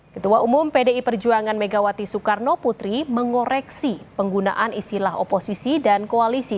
ketua umum pdi perjuangan megawati soekarno putri mengoreksi penggunaan istilah oposisi dan koalisi